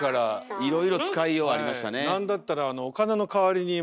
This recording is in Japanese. いろいろ使いようありましたね。